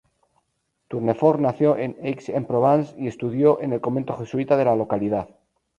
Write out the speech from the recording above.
Tournefort nació en Aix-en-Provence y estudió en el convento jesuita de la localidad.